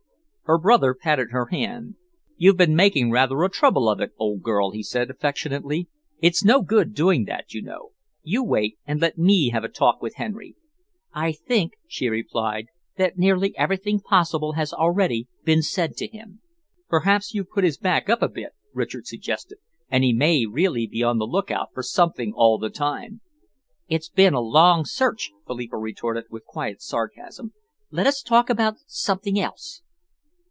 Her brother patted her hand. "You've been making rather a trouble of it, old girl," he said affectionately. "It's no good doing that, you know. You wait and let me have a talk with Henry." "I think," she replied, "that nearly everything possible has already been said to him." "Perhaps you've put his back up a bit," Richard suggested, "and he may really be on the lookout for something all the time." "It has been a long search!" Philippa retorted, with quiet sarcasm. "Let us talk about something else."